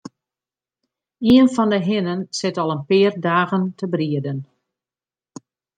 Ien fan 'e hinnen sit al in pear dagen te brieden.